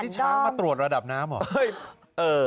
ช้างมาตรวจระดับน้ำเหรอ